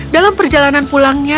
dalam perjalanan pulangnya